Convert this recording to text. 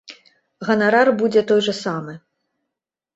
Ганарар будзе той жа самы.